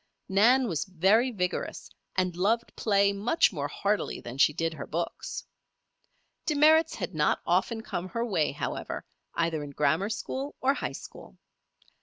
Nan was very vigorous, and loved play much more heartily than she did her books. Demerits had not often come her way, however, either in grammar school or high school.